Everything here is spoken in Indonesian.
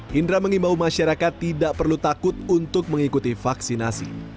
hindra mengimbau masyarakat tidak perlu takut untuk mengikuti vaksinasi